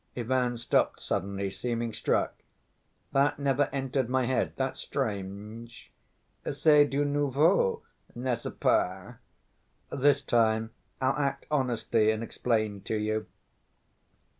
Ivan stopped suddenly, seeming struck. "That never entered my head, that's strange." "C'est du nouveau, n'est‐ce pas? This time I'll act honestly and explain to you.